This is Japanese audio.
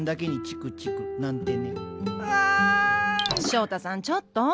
翔太さんちょっと！